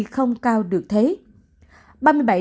không cao được thấy